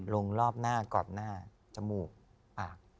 รอบหน้ากอดหน้าจมูกปาก